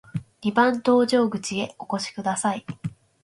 二番搭乗口へお越しください。